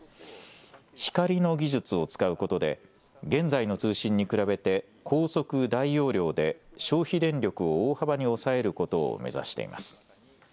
光の技術を使うことで現在の通信に比べて高速・大容量で消費電力を大幅に抑えることを目指しています。